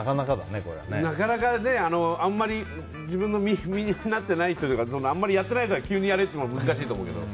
なかなか、あんまり自分の身になっていないからあまりやってない人に急にやれって言っても難しいと思うけど。